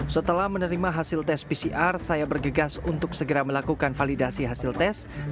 setelah menerima hasil tes pcr saya bergegas untuk segera melakukan validasi hasil tes dan status layak melakukan percobaan